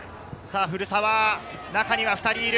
中には２人いる。